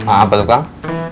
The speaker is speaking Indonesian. apa tuh kang